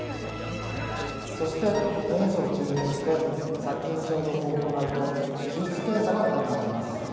そして塩素を注入して殺菌消毒を行うと水質検査が行われます。